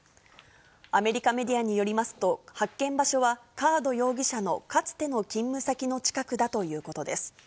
アメリカメディアによりますと、発見場所はカード容疑者のかつての勤務先の近くだということです。